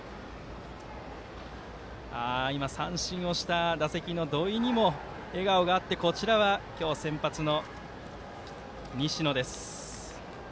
今、三振をした打席の土井にも笑顔があって今日、先発の西野です。